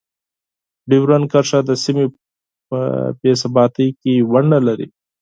ډیورنډ کرښه د سیمې په بې ثباتۍ کې ونډه لري.